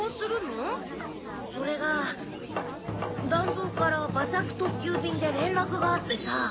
それが団蔵から馬借特急便でれんらくがあってさ。